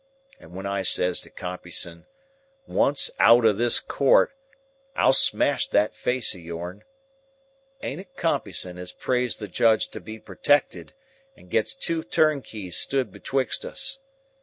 And when I says to Compeyson, 'Once out of this court, I'll smash that face of yourn!' ain't it Compeyson as prays the Judge to be protected, and gets two turnkeys stood betwixt us?